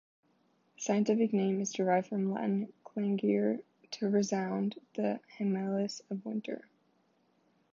The scientific name is derived from Latin "clangere", "to resound", and "hyemalis", "of winter".